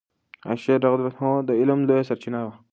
عائشه رضی الله عنها د علم لویه سرچینه وه.